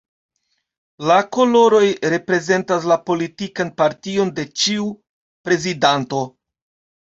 La koloroj reprezentas la politikan partion de ĉiu prezidanto.